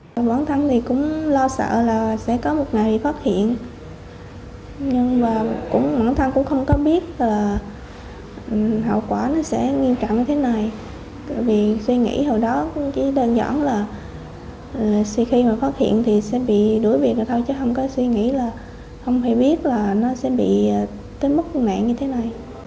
không phải biết là nó sẽ bị tới mức nạn như thế này